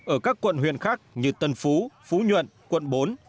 ở các quận huyện khác như tân phú phú nhuận quận bốn